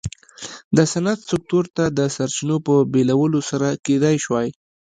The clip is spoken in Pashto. د صنعت سکتور ته د سرچینو په بېلولو سره کېدای شوای.